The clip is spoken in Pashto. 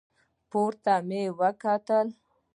پورته مې وکتل.